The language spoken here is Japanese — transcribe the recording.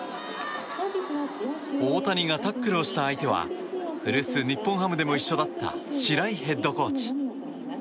大谷がタックルをした相手は古巣・日本ハムでも一緒だった白井ヘッドコーチ。